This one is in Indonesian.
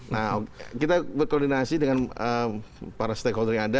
nah kita berkoordinasi dengan para stakeholder yang ada